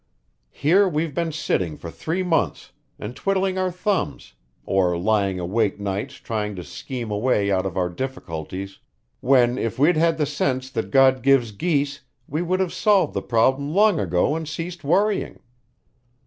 Here we've been sitting for three months, and twiddling our thumbs, or lying awake nights trying to scheme a way out of our difficulties, when if we'd had the sense that God gives geese we would have solved the problem long ago and ceased worrying.